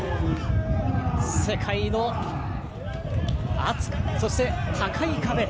世界の厚くそして高い壁。